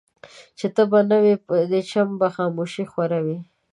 چي ته به نه وې په دې چم به خاموشي خوره وه